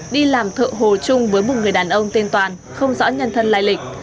đi làm thợ hồ chung với một người đàn ông tên toàn không rõ nhân thân lai lịch